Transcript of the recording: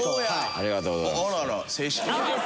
ありがとうございます。